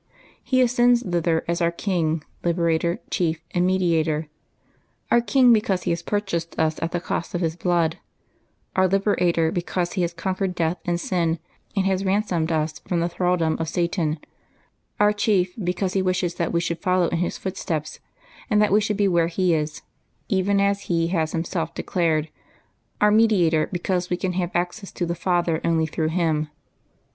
He ascends thither as our King, Liberator, Chief, and Medi ator: our King, because He has purchased us at the cost of His blood; our Liberator, because He has conquered death and sin, and has ransomed us from the thraldom of Satan ; our Chief, because He wishes that we should follow in His footsteps, and that we should be where He is, even as He has Himself declared ; our Mediator, because we can have access to the Father only through Him.